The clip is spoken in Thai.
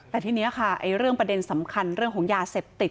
แต่ทีนี้ค่ะเรื่องประเด็นสำคัญเรื่องของยาเสพติด